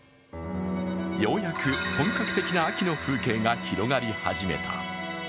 ようやく本格的な秋の風景が広がり始めた。